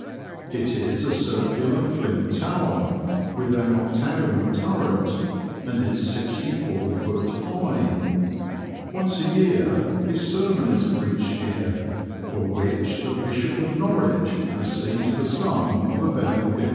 It is a circular, flint tower, with an octagonal turret, and is 64ft. high. Once a year a sermon is preached here, for which the Bishop of Norwich receives the sum of about £50.